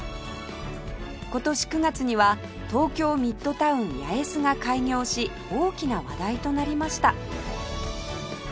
今年９月には東京ミッドタウン八重洲が開業し大きな話題となりました